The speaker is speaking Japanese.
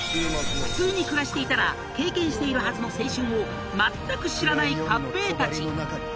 普通に暮らしていたら経験しているはずの青春を全く知らない勝平たち